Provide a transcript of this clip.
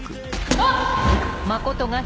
あっ！